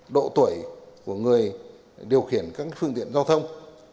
độ tuổi của người điều khiển các phương tiện giao thông